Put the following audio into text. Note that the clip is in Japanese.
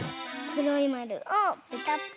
くろいまるをペタッと。